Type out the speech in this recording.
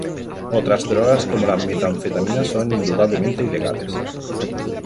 Otras drogas como la metanfetamina son indudablemente ilegales.